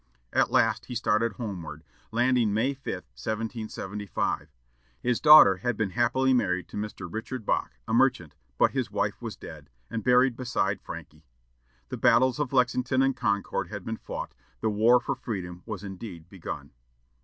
At last he started homeward, landing May 5, 1775. His daughter had been happily married to Mr. Richard Bache, a merchant, but his wife was dead, and buried beside Franky. The battles of Lexington and Concord had been fought; the War for Freedom was indeed begun.